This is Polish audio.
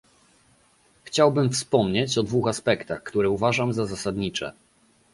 Chciałbym wspomnieć o dwóch aspektach, które uważam za zasadnicze